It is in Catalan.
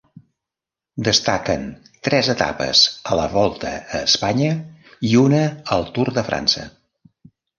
Destaquen tres etapes a la Volta a Espanya i una al Tour de França.